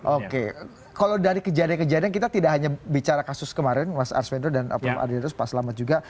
oke kalau dari kejadian kejadian kita tidak hanya bicara kasus kemarin mas arsvendro dan adridrus pak selamat juga